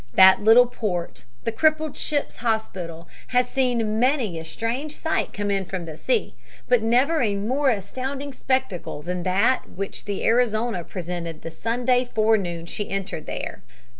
That little port the crippled ship's hospital has seen many a strange sight come in from the sea, but never a more astounding spectacle than that which the Arizona presented the Sunday forenoon she entered there.